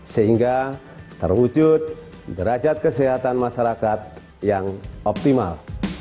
sehingga terwujud derajat kesehatan masyarakat yang optimal